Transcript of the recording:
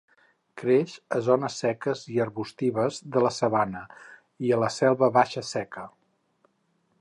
Creix a zones seques i arbustives de la sabana, i a la selva baixa seca.